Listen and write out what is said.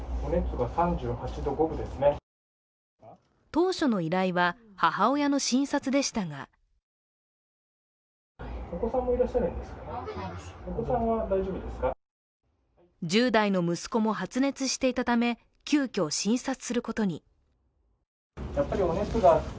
当初の依頼は母親の診察でしたが１０代の息子も発熱していたため急きょ診察することに。